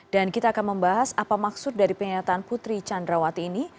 dan kita akan membahas apa maksud dari penyataan putri chandrawati ini